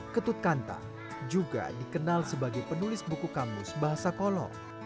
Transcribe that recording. ketut kanta juga dikenal sebagai penulis buku kamus bahasa kolo